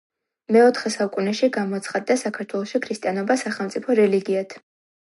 მეოთხე საუკუნეში გამოცხადდა საქართველოში ქრისტიანობა სახელმწიფო რელიგიად